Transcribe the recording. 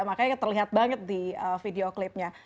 makanya terlihat banget di video klipnya